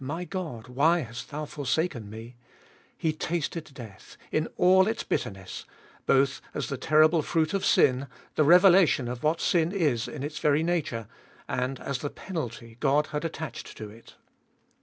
My God! why hast thou forsaken Me ? He tasted death in all its bitter ness, both as the terrible fruit of sin, the revelation of what sin is in its very nature, and as the penalty God had attached to it.